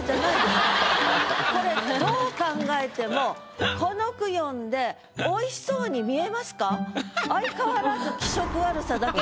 これどう考えてもこの句読んで美味しそうに見えますか？